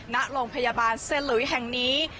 ณโรงพยาบาลเซ็นหลุยแห่งนี้